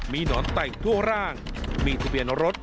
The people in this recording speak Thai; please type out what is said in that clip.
มีหนอนไต่ทั่วร่างมีทะเบียนรถ